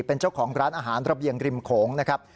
เป็นเจ้าของร้านอาหารระเบียงริมโขงนะครับ